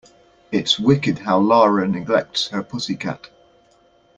It's wicked how Lara neglects her pussy cat.